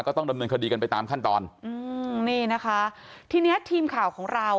ต้องดำเนินคดีกันไปตามขั้นตอนอืมนี่นะคะทีเนี้ยทีมข่าวของเรา